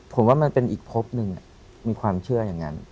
ผมว่ามันเป็นอีกพบหนึ่งมีความเชื่ออย่างนั้น